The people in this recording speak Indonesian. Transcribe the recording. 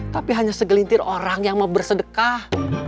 tapi hanya segelintir orang yang mau bersedekah